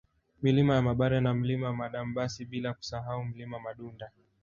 Milima ya Mabare na Mlima Madambasi bila kusahau Mlima Madunda